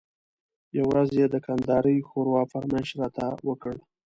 یوه ورځ یې د کندارۍ ښوروا فرمایش راته وکړ.